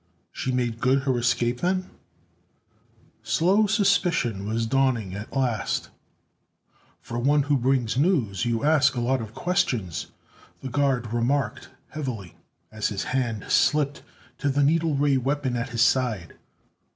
"She made good her escape then?" Slow suspicion was dawning at last. "For one who brings news you ask a lot of questions," the guard remarked heavily, as his hand slipped to the needle ray weapon at his side.